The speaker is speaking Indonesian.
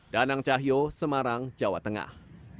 danang cahyo semarang jawa tengah